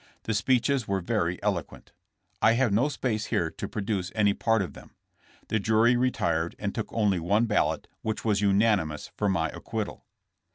The speeches were very eloquent. I have no space here to produce any part of them. The jury retired and took only one ballot, which was unanimous for my acquittal.